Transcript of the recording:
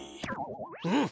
うん。